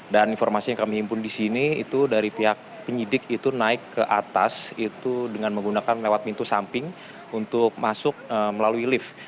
dan informasi yang kami himpun di sini itu dari pihak penyelidik itu naik ke atas itu dengan menggunakan lewat pintu samping untuk masuk melalui lift